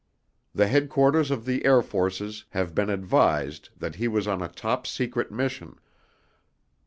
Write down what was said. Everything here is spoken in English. The Headquarters of the Air Forces have been advised that he was on a top secret mission.